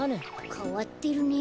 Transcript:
かわってるね。